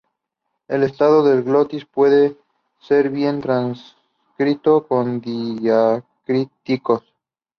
El estado del glotis puede ser bien transcrito con diacríticos.